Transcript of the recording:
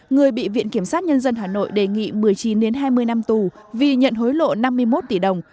người bị viện kiểm sát nhân dân hà nội đề nghị một mươi chín hai mươi năm tù vì nhận hối lộ năm mươi một tỷ đồng